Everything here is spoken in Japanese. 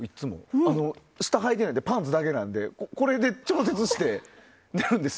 下はいてないでパンツだけでこれで調節して寝るんです。